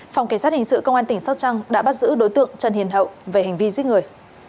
phòng kỳ sát hình sự công an tỉnh sóc trăng đã bắt giữ đối tượng trần hiền hậu về hành vi giết người